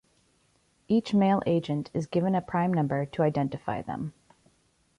Each male agent is given a prime number to identify them.